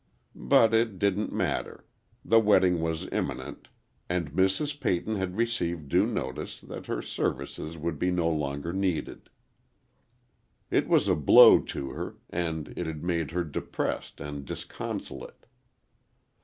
But it didn't matter. The wedding was imminent, and Mrs. Peyton had received due notice that her services would be no longer needed. It was a blow to her, and it had made her depressed and disconsolate.